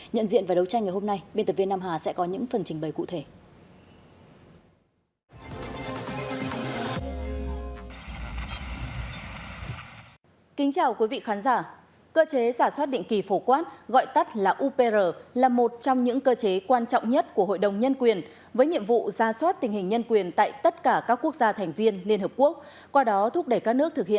nhận diện và đấu tranh ngày hôm nay biên tập viên nam hà sẽ có những phần trình bày cụ thể